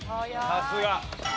さすが。